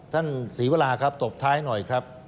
ท่านศรีวราครับตบท้ายหน่อยครับ